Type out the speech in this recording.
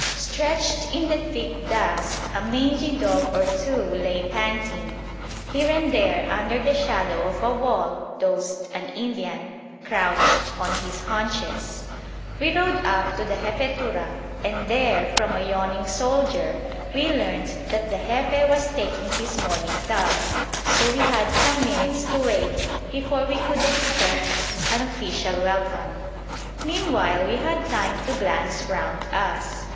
Stretched in the thick dust a mangy dog or two lay panting; here and there under the shadow of a wall dozed an Indian, crouched on his haunches. We rode up to the Jefetura, and there from a yawning soldier we learnt that the Jefe was taking his morning tub, so we had some minutes to wait before we could expect an official welcome. Meanwhile we had time to glance round us.